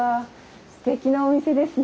すてきなお店ですね。